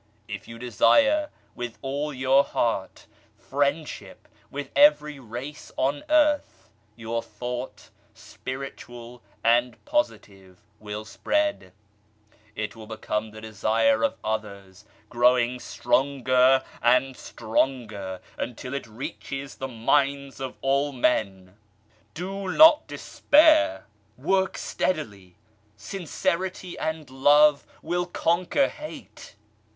If you desire with all your heart friendship with every race on earth, your thought, spiritual and positive, will spread ; it will become the desire of others, growing stronger and stronger, until it reaches the minds of all men. Do not despair ! Work steadily. Sincerity and Love will conquer Hate.